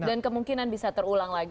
dan kemungkinan bisa terulang lagi